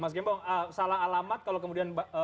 mas gembong salah alamat kalau kemudian